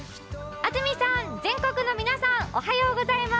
安住さん、全国の皆さん、おはようございます。